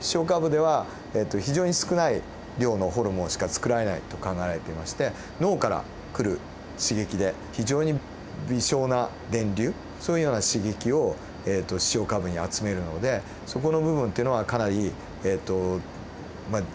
視床下部では非常に少ない量のホルモンしかつくられないと考えられていまして脳から来る刺激で非常に微少な電流そういうような刺激を視床下部に集めるのでそこの部分っていうのはかなりえっとまあ